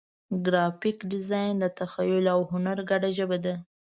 ګرافیک ډیزاین د تخیل او هنر ګډه ژبه ده.